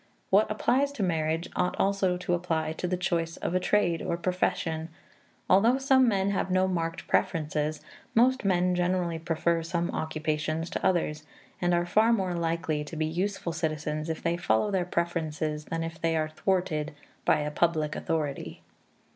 What applies to marriage ought also to apply to the choice of a trade or profession; although some men have no marked preferences, most men greatly prefer some occupations to others, and are far more likely to be useful citizens if they follow their preferences than if they are thwarted by a public authority.